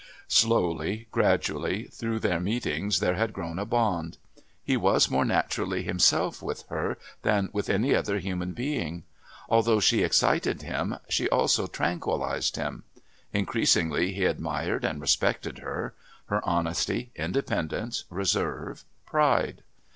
Slowly, gradually, through their meetings there had grown a bond. He was more naturally himself with her than with any other human being. Although she excited him she also tranquillised him. Increasingly he admired and respected her her honesty, independence, reserve, pride.